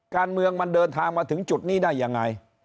การเมืองมันเดินทางมาถึงจุดนี้ได้ยังไง